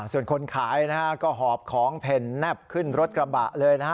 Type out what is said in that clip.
ส่วนคนขายนะฮะก็หอบของเพ่นแนบขึ้นรถกระบะเลยนะฮะ